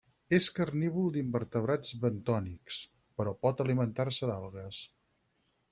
És carnívor d'invertebrats bentònics, però pot alimentar-se d'algues.